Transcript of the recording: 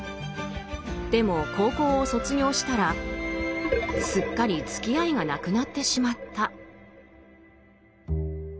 でも高校を卒業したらすっかりつきあいがなくなってしまった。